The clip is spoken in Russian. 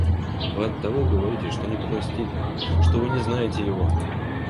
Вы оттого говорите, что не простит, что вы не знаете его.